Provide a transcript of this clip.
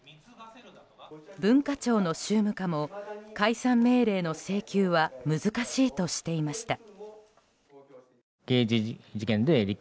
文化庁の宗務課も、解散命令の請求は難しいとしていました。